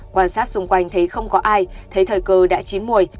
quan sát xung quanh thấy không có ai thấy thời cơ đã chín mùi